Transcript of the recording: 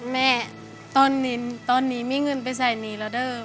แม่ตอนนี้ตอนนี้มีเงินไปใช้หนี้แล้วเด้อ